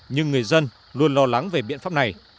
nhưng người dân luôn lo lắng về biện pháp này